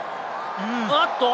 あっと！